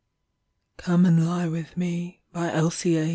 Come and Lie with Me By Elsie A.